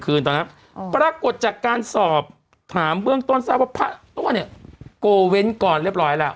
เริ่มต้นทราบว่าพระตัวเนี่ยโกเว้นก่อนเรียบร้อยแล้ว